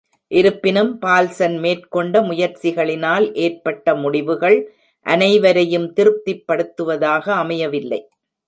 இருப்பினும், பால்சன் மேற்கொண்ட முயற்சிகளினால் ஏற்பட்ட முடிவுகள் அனைவரையும் திருப்திப்படுத்துவதாக அமையவில்லை.